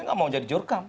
nggak mau jadi jurkam